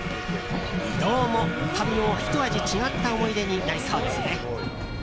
移動も、旅のひと味違った思い出になりそうですね。